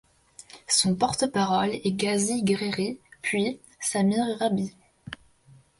Son porte-parole est Ghazi Grairi puis Samir Rabhi.